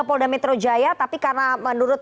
polda metro jaya tapi karena menurut